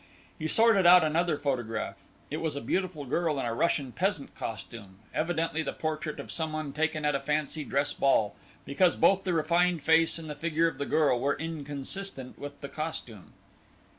He sorted out another photograph. It was a beautiful girl in a Russian peasant costume; evidently the portrait of some one taken at a fancy dress ball, because both the refined face and the figure of the girl were inconsistent with the costume.